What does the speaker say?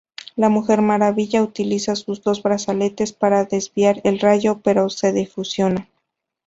La Mujer Maravilla utiliza sus dos brazaletes para desviar el rayo, pero se fusionan.